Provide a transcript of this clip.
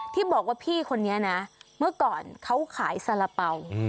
ที่บอกว่าพี่คนนี้นะเมื่อก่อนเขาขายสาระเป๋า